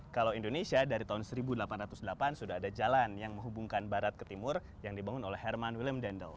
kalau indonesia dari tahun seribu delapan ratus delapan sudah ada jalan yang menghubungkan barat ke timur yang dibangun oleh herman willim dendel